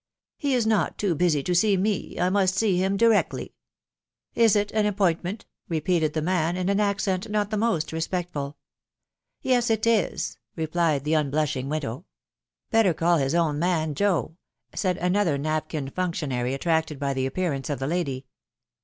" He is not too busy to see me — I must see him < rectly !" u Is it an appointment ?" repeated the man, in an acce not the most respectful. " Yes, it is,". ... replied the unblushing widow. " Better call his own man, Joe," said another napkin functionary, attracted by the appearance of the lady.